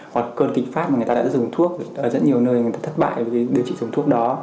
hoặc cơn kịch phát mà người ta đã dùng thuốc ở rất nhiều nơi người ta thất bại vì điều trị dùng thuốc đó